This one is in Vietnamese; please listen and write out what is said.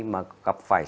mà gặp phải sỏi